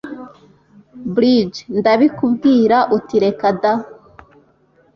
bridge: ndabikubwira uti reka da